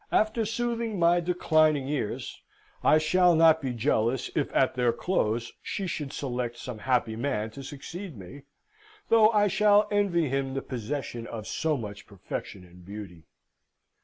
After soothing my declining years, I shall not be jealous if at their close she should select some happy man to succeed me; though I shall envy him the possession of so much perfection and beauty.